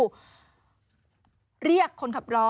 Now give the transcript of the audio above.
สักครู่เรียกคนขับรับสิบล้อ